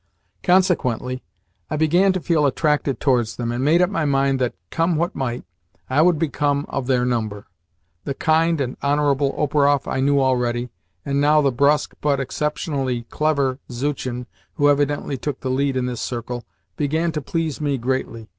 Consequently, I began to feel attracted towards them, and made up my mind that, come what might, I would become of their number. The kind and honourable Operoff I knew already, and now the brusque, but exceptionally clever, Zuchin (who evidently took the lead in this circle) began to please me greatly.